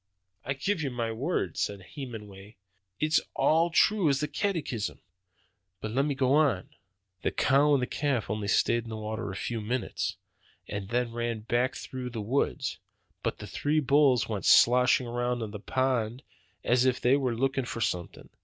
"I give you my word," said Hemenway, "it's all true as the catechism. But let me go on. The cow and the calf only stayed in the water a few minutes, and then ran back through the woods. But the three bulls went sloshing around in the pond as if they were looking for something.